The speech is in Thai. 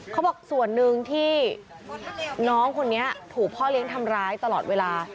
เขาบอกส่วนหนึ่งที่น้องคนนี้ถูกพ่อเลี้ยงทำร้ายตลอดเวลา